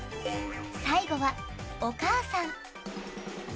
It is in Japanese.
最後は、お母さん。